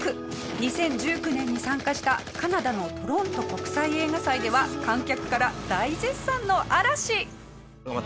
２０１９年に参加したカナダのトロント国際映画祭では観客から大絶賛の嵐！